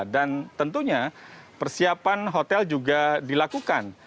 dan tentunya persiapan hotel juga dilakukan